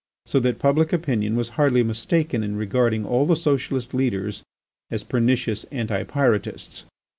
So that public opinion was hardly mistaken in regarding all the Socialist leaders as pernicious Anti Pyrotists.